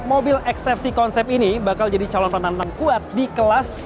mobil eksepsi konsep ini bakal jadi calon penantang kuat di kelas